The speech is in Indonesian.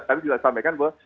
tapi juga sampaikan bahwa